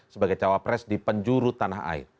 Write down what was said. sebagai cawapres di penjuru tanah air